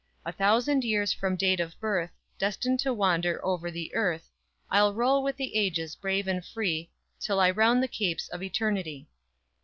A thousand years from date of birth, Destined to wander over the earth, I'll roll with the ages brave and free, Till I round the capes of eternity!